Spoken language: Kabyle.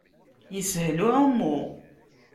Yeshel uɛummu.